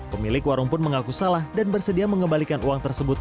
pemilik warung pun mengaku salah dan bersedia mengembalikan uang tersebut